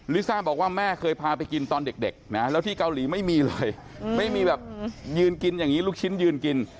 ลิซ่าบอกว่าแม่เคยพาไปกินตอนเด็กนะแล้วที่เกาหลีไม่มีเลยไม่มีแบบยืนกินอย่างนี้ลูกชิ้นยืนกิน